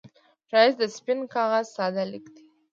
ښایست د سپين کاغذ ساده لیک دی